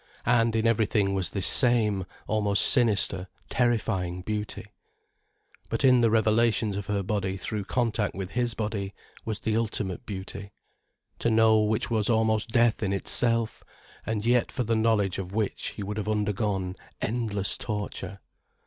And in everything, was this same, almost sinister, terrifying beauty. But in the revelations of her body through contact with his body, was the ultimate beauty, to know which was almost death in itself, and yet for the knowledge of which he would have undergone endless torture.